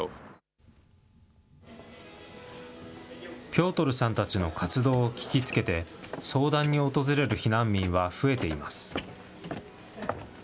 ピョートルさんたちの活動を聞きつけて、相談に訪れる避難民は増えています。